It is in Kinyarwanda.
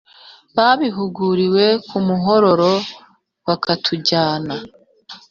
babihuguriwe ku muhororo. akatujyana